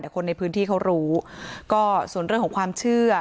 แต่คนในพื้นที่เขารู้ก็ส่วนเรื่องของความเชื่อ